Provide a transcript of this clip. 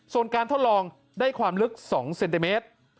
ส่วนการทดลองได้ความลึก๒เซนติเมตร